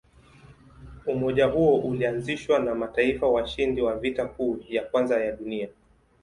Umoja huo ulianzishwa na mataifa washindi wa Vita Kuu ya Kwanza ya Dunia.